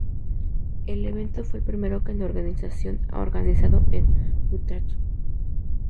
El evento fue el primero que la organización ha organizado en Utah.